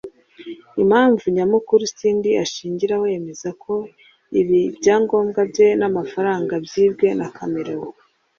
Impamvu nyamukuru Cindy ashingiraho yemeza ko ibi byangombwa bye n’amafaranga byibwe na Chameleone